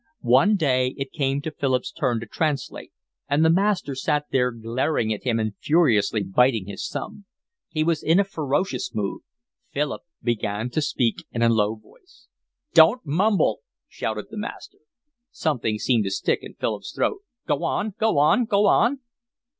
One day it came to Philip's turn to translate, and the master sat there glaring at him and furiously biting his thumb. He was in a ferocious mood. Philip began to speak in a low voice. "Don't mumble," shouted the master. Something seemed to stick in Philip's throat. "Go on. Go on. Go on."